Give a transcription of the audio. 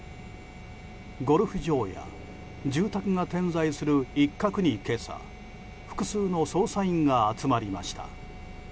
ゴルフ場や住宅が点在する一角に今朝複数の捜査員が集まりました。